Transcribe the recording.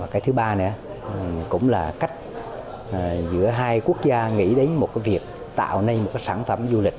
cái thứ ba cũng là cách giữa hai quốc gia nghĩ đến một việc tạo nên một sản phẩm du lịch